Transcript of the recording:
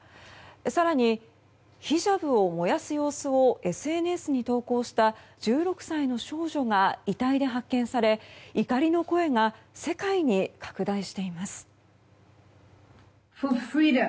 更に、ヒジャブを燃やす様子をＳＮＳに投稿した１６歳の少女が遺体で発見され怒りの声が世界に拡大しています。